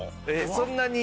そんなに？